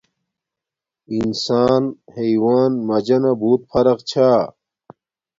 انسان حیوان مجانا بوت فرق چھا